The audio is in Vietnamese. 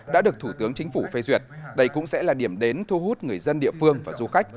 đã được thủ tướng chính phủ phê duyệt đây cũng sẽ là điểm đến thu hút người dân địa phương và du khách